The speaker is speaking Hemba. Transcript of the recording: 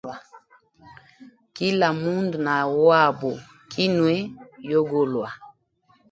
Kila mundu na wabo kinwe yogolwa.